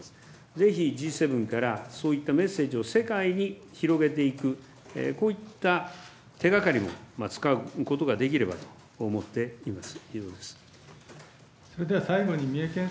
ぜひ、Ｇ７からそういったメッセージを世界に広げていく、こういった手がかりもつかむことができればと思っています。